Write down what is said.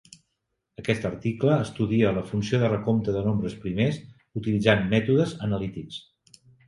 Aquest article estudia la funció de recompte de nombres primers utilitzant mètodes analítics.